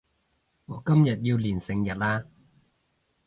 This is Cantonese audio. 我今日要練成日呀